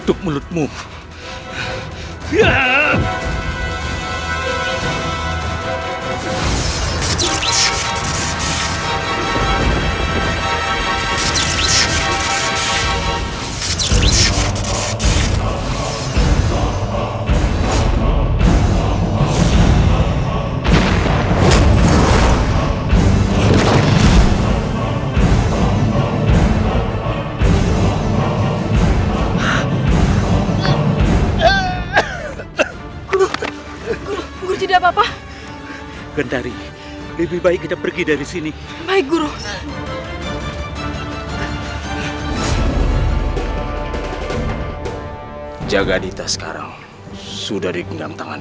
tentu saja yunda ambedkasi bertahan di istana